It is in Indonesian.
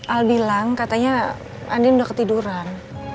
al bilang katanya andien udah ketiduran